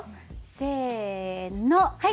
せのはい。